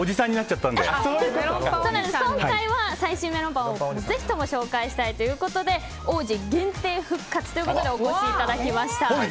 しかし、今回は最新メロンパンをぜひとも紹介したということで王子限定復活ということでお越しいただきました。